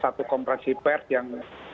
satu kompresi pers yang